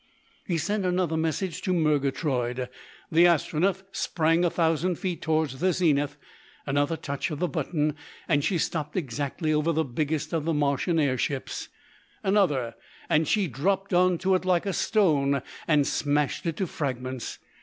He sent another message to Murgatroyd. The Astronef sprang a thousand feet towards the zenith; another touch on the button, and she stopped exactly over the biggest of the Martian air ships; another, and she dropped on to it like a stone and smashed it to fragments.